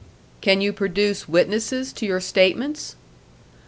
"Can you produce witnesses to your statements?"